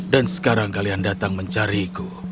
dan sekarang kalian datang mencariku